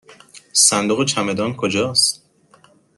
صندوق چمدان کجاست؟